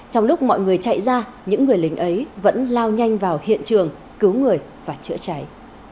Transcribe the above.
trong lúc mọi người chạy ra những người lính ấy vẫn lao nhanh vào hiện trường cứu người và chữa cháy